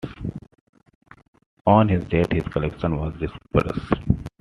On his death his collection was dispersed.